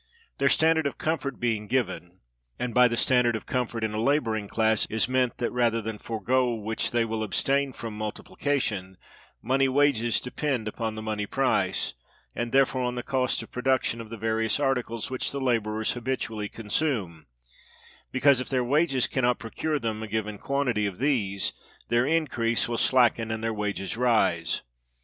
Their standard of comfort being given (and by the standard of comfort in a laboring class is meant that rather than forego which they will abstain from multiplication), money wages depend on the money price, and therefore on the cost of production, of the various articles which the laborers habitually consume: because, if their wages can not procure them a given quantity of these, their increase will slacken and their wages rise.